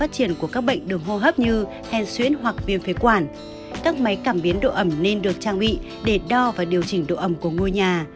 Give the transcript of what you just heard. các máy cảm biến độ ẩm nên được trang bị để đo và điều chỉnh độ ẩm của ngôi nhà